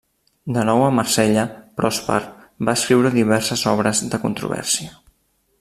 De nou a Marsella, Pròsper va escriure diverses obres de controvèrsia.